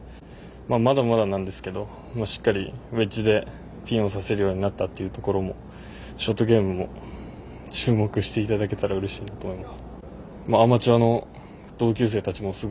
まだまだなんですけどしっかり、ウエッジでピンを刺せるようになったってところもショートゲームも注目していただけたらうれしいなと思います。